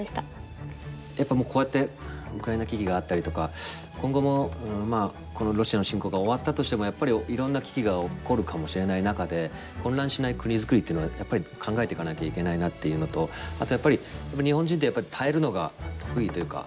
やっぱこうやってウクライナ危機があったりとか今後もこのロシアの侵攻が終わったとしてもやっぱりいろんな危機が起こるかもしれない中で混乱しない国づくりっていうのはやっぱり考えていかなきゃいけないなっていうのとあとやっぱり日本人って耐えるのが得意というか。